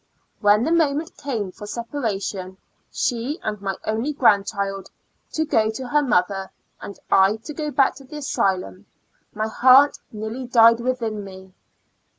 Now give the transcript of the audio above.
When the moment came for separa tion, she and my only grandchild^ to go to her mother, and I to go back to the asylum, my heart nearly died within me.